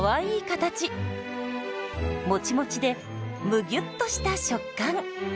もちもちでむぎゅっとした食感。